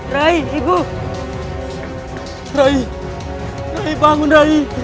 rai bangun rai